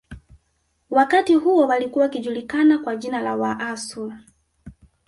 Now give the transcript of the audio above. Wakati huo walikuwa wakijulikana kwa jina la Waasu